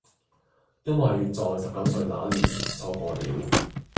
因為在十九歲那年錯過了